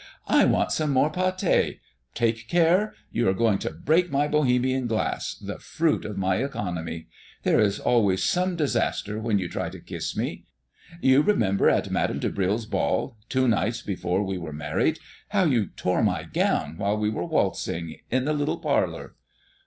I want some more pâté! Take care! You are going to break my Bohemian glass, the fruit of my economy! There is always some disaster when you try to kiss me. You remember at Madame de Brill's ball, two nights before we were married, how you tore my gown while we were waltzing in the little parlor?"